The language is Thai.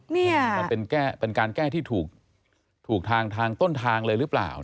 นี่มันเป็นการแก้ที่ถูกทางทางต้นทางเลยหรือเปล่า